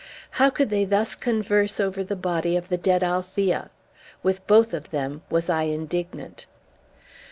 How could they thus converse over the body of the dead Althea? With both of them was I indignant.